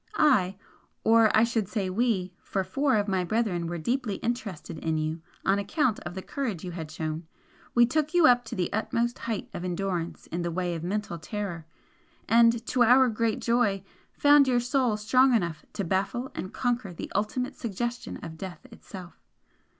"I or I should say we for four of my Brethren were deeply interested in you on account of the courage you had shown we took you up to the utmost height of endurance in the way of mental terror and, to our great joy, found your Soul strong enough to baffle and conquer the ultimate suggestion of Death itself.